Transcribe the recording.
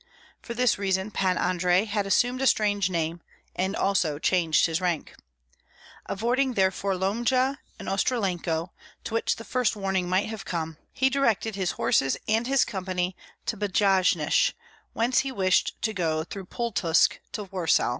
For this reason Pan Andrei had assumed a strange name, and also changed his rank. Avoiding therefore Lomja and Ostrolenko, to which the first warning might have come, he directed his horses and his company to Pjasnysh, whence he wished to go through Pultusk to Warsaw.